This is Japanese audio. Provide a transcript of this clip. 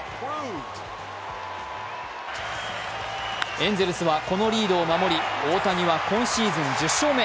エンゼルスはこのリードを守り、大谷は今シーズン１０勝目。